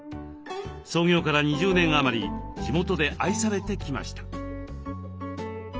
創業から２０年余り地元で愛されてきました。